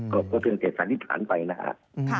ก็เพียงเก็บสันติฐานไปนะครับ